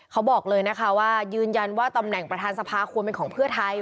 เขาบอกเลยนะคะว่ายืนยันว่าตำแหน่งประธานสภาควรเป็นของเพื่อไทย